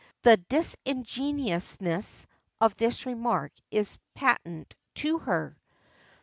The disingenuousness of this remark is patent to her.